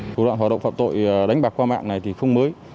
thủ đoạn hoạt động phạm tội đánh bạc qua mạng này thì không mới